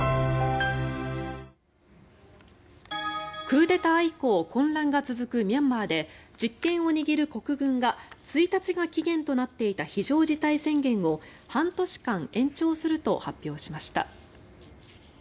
クーデター以降混乱が続くミャンマーで実権を握る国軍が１日が期限となっていた非常事態宣言を半年間延長すると発表しました。